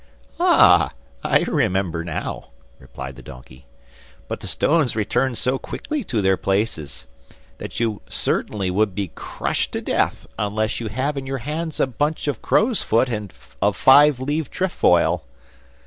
'Ah, I remember now,' replied the donkey, 'but the stones return so quickly to their places, that you certainly would be crushed to death unless you have in your hands a bunch of crowsfoot and of five leaved trefoil.